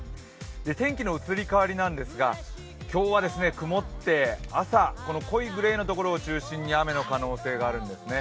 天気の移り変わりなんですが今日は曇って朝、濃いグレーの所を中心に雨の可能性があるんですね。